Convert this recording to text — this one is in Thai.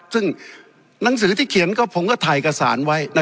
ซึ่งหนังสือที่เขียนผมก็ถ่ายเอกสารไว้